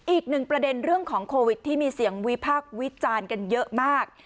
อีกหนึ่งประเด็นเรื่องของโควิดที่มีเสียงวิพากษ์วิจารณ์กันเยอะมาก